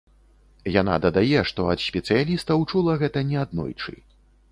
Яна дадае, што ад спецыялістаў чула гэта неаднойчы.